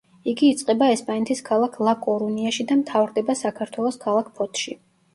იგი იწყება ესპანეთის ქალაქ ლა-კორუნიაში და მთავრდება საქართველოს ქალაქ ფოთში.